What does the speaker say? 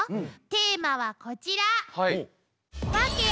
テーマはこちら。